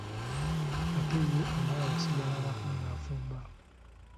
Ate ye omuwala yasigala waka ng'afumba.